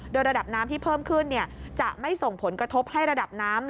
โดยระดับน้ำที่เพิ่มขึ้นจะไม่ส่งผลกระทบให้ระดับน้ำ